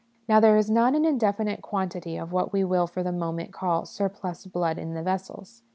Now, there is not an inde finite quantity of what we will for the moment call surplus blood in the vessels.